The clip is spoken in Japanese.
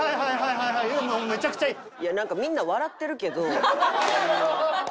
いやなんかみんな笑ってるけどホンマ。